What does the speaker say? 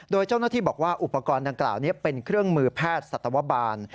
โดยเจ้าหน้าที่บอกว่าอุปกรณ์ดังกล่าวนี้เป็นเครื่องมือแพทย์สัตวบาล